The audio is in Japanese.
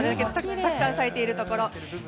たくさん咲いているところを。